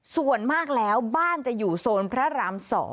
ส่วนมากแล้วบ้านจะอยู่โซนพระราม๒